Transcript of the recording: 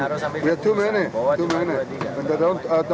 mereka adalah pemain yang baik dan kadang kadang tidak berpikir